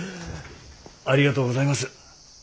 ありがとうございます。